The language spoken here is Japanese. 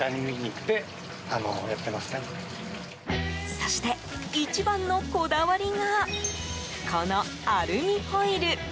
そして一番のこだわりがこのアルミホイル。